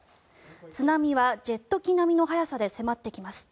津波はジェット機並みの速さで迫ってきます。